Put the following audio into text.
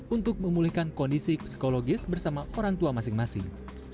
untuk memulihkan kondisi psikologis bersama orang tua masing masing